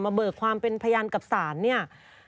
เบิกความเป็นพยานกับศาลเนี่ย